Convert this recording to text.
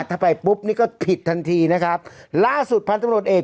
ถ้าไปปุ๊บนี่ก็ผิดทันทีนะครับล่าสุดพันธุ์ตำรวจเอก